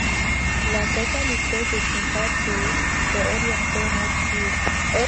La totalité de son parcours est orientée Nord-Sud.